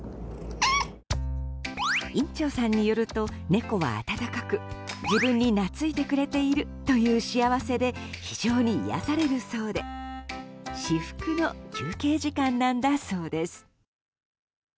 院長さんによると猫は温かく自分に懐いてくれているという幸せで、非常に癒やされるそうで至福の休憩時間なんだそうです。